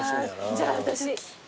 じゃあ私。